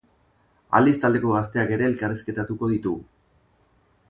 Aldiz taldeko gazteak ere elkarrizketatuko ditugu.